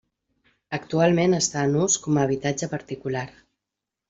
Actualment està en ús com a habitatge particular.